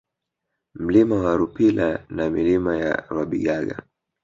Mlima wa Rupila na Milima ya Rwabigaga